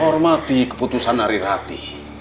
hormati keputusan narirati